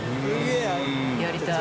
やりたい。